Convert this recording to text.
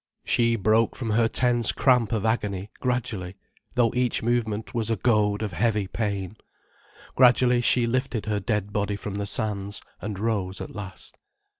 She broke from her tense cramp of agony gradually, though each movement was a goad of heavy pain. Gradually, she lifted her dead body from the sands, and rose at last.